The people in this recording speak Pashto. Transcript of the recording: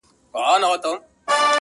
غرڅه لیري ځغلېدی تر ده د وړاندي -